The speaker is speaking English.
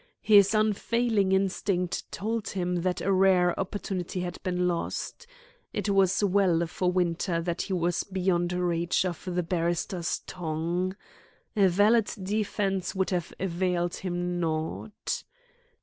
His unfailing instinct told him that a rare opportunity had been lost. It was well for Winter that he was beyond reach of the barrister's tongue. A valid defence would have availed him naught.